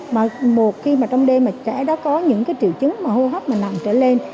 mà một khi mà trong đêm mà trẻ đã có những triệu chứng hô hấp mà nặng trở lên